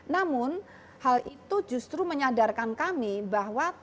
namun hal itu justru menyadarkan kami bahwa